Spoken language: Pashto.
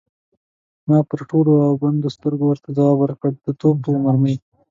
ما په تړلو او بندو سترګو ورته ځواب ورکړ: د توپ په مرمۍ.